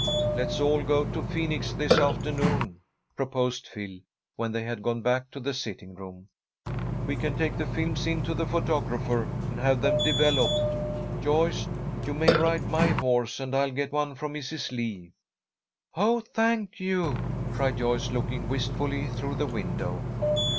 "Let's all go to Phoenix this afternoon," proposed Phil, when they had gone back to the sitting room. "We can take the films in to the photographer, and have them developed. Joyce, you may ride my horse, and I'll get one from Mrs. Lee." "Oh, thank you!" cried Joyce, looking wistfully through the window.